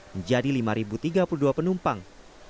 menjadi lima tiga puluh dua penumpang